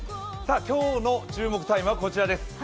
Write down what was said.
今日の注目タイムはこちらです。